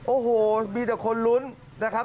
โอ้โหมีแต่คนลุ้นนะครับ